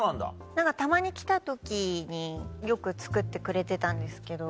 何かたまに来た時によく作ってくれてたんですけど。